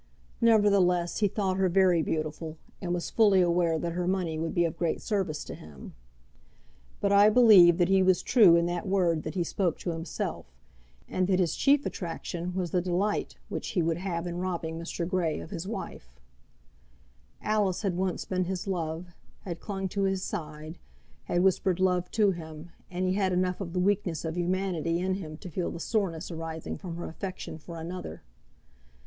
Nevertheless he thought her very beautiful, and was fully aware that her money would be of great service to him. But I believe that he was true in that word that he spoke to himself, and that his chief attraction was the delight which he would have in robbing Mr. Grey of his wife. Alice had once been his love, had clung to his side, had whispered love to him, and he had enough of the weakness of humanity in him to feel the soreness arising from her affection for another.